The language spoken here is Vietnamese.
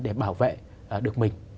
để bảo vệ được mình